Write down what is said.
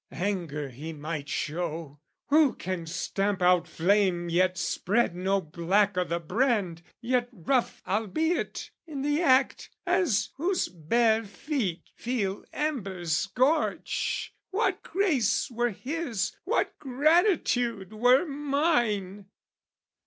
"Anger he might show, who can stamp out flame "Yet spread no black o' the brand? yet, rough albeit "In the act, as whose bare feet feel embers scorch. "What grace were his, what gratitude were mine!"